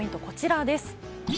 こちらです。